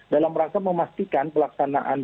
dalam rangka memastikan pelaksanaan